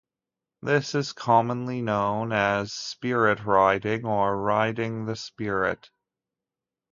This is commonly known as "split riding" or "riding the split".